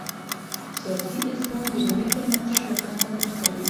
سیاسي اسلام دنیوي پرمختګ له خنډ سره مخ کوي.